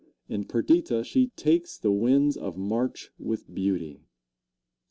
In Perdita she "takes the winds of March with beauty."